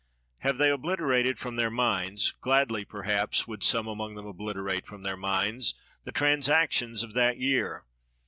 Have they obliterated from their minds — gladly, perhaps, would some among them obliterate from their minds — the transactions of that year?